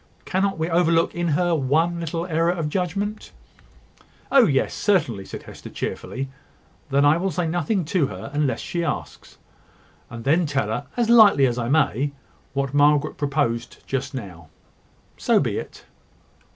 Cannot we overlook in her one little error of judgment?" "Oh, yes, certainly," said Hester, cheerfully. "Then I will say nothing to her unless she asks; and then tell her, as lightly as I may, what Margaret proposed just now. So be it."